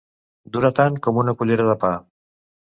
Durar tant com una cullera de pa.